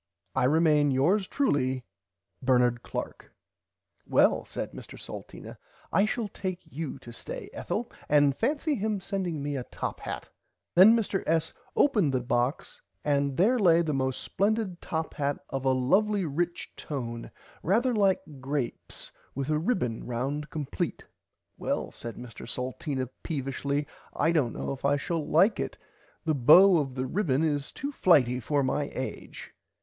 I remain Yours truely Bernard Clark. [Pg 25] Well said Mr Salteena I shall take you to stay Ethel and fancy him sending me a top hat. Then Mr S. opened the box and there lay the most splendid top hat of a lovly rich tone rarther like grapes with a ribbon round compleat. Well said Mr Salteena peevishly I dont know if I shall like it the bow of the ribbon is too flighty for my age.